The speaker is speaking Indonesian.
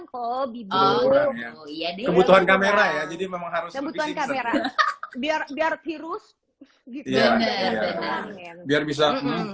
kebutuhan kamera ya jadi memang harus biar biar virus biar bisa